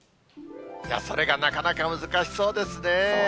それがなかなか難しそうですね。